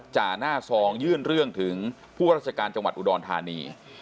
จ่าหน้าซองยื่นเรื่องถึงผู้ราชการจังหวัดอุดรธานี